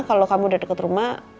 kalau kamu udah dekat rumah